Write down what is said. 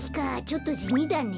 ちょっとじみだね。